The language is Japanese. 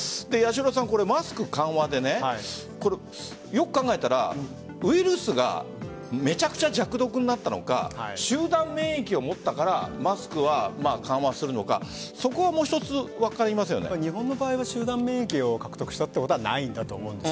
マスク緩和でよく考えたらウイルスがめちゃくちゃ弱毒になったのか集団免疫を持ったからマスクは緩和するのかそこは日本の場合は集団免疫を獲得したことはないと思うんです。